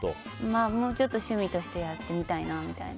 もうちょっと趣味としてやってみたいなと。